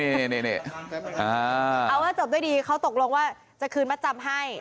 เอาว่าจบด้วยดีเขาตกลงว่าจะคืนมัดจำให้